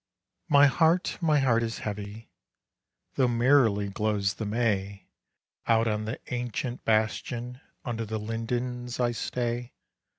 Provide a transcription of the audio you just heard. My heart, my heart is heavy, Though merrily glows the May. Out on the ancient bastion, Under the lindens, I stay.